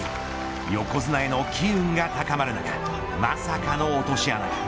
横綱への機運が高まる中まさかの落とし穴が。